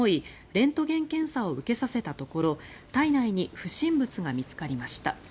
レントゲン検査を受けさせたところ体内に不審物が見つかりました。